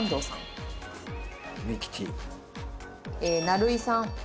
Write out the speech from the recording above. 成井さん。